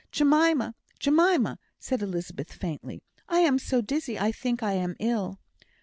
Jemima! Jemima!" said Elizabeth, faintly, "I am so dizzy I think I am ill."